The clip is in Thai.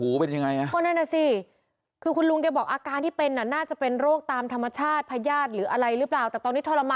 อุปกรณ์รักษาไม่ได้หมอปลารักษาได้ครับ